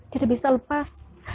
jadi bisa lepas